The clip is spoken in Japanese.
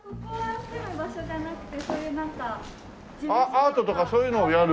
アートとかそういうのをやる。